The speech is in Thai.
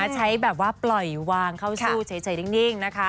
ใช้แบบว่าปล่อยวางเข้าชู้ใจดิ้ง